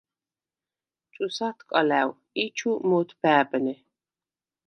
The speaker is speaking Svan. – ჩუ ს’ათკალა̈უ̂ ი ჩუ მ’ოთბა̄̈ბნე.